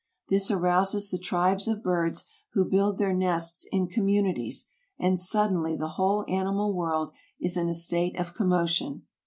This arouses the tribes of birds who built their nests in communi ties, and suddenly the whole animal world is in a state of commotion.